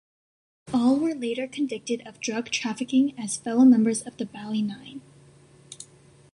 All were later convicted of drug trafficking as fellow members of the Bali Nine.